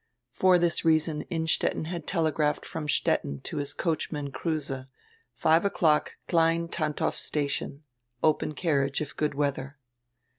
For this reason Innstetten had telegraphed from Stettin to his coachman Kruse: "Five o'clock, Klein Tantow station. Open car riage, if good weadier."